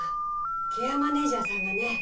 ケアマネジャーさんがね